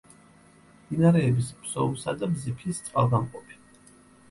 მდინარეების ფსოუსა და ბზიფის წყალგამყოფი.